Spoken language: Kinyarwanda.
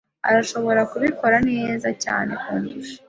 Arashobora kubikora neza cyane kundusha.